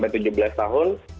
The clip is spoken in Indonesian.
kalau misalnya bagus